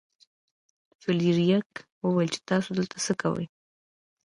فلیریک وویل چې تاسو دلته څه کوئ.